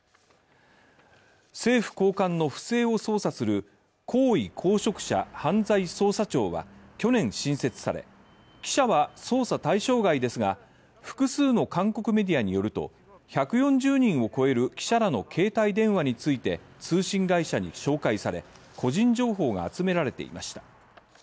政府高官の不正を捜査する高位公職者犯罪捜査庁は去年、新設され、記者は捜査対象外ですが複数の韓国メディアによると１４０人を超える記者らの携帯電話について通信会社に照会され、個人情報が集められていました。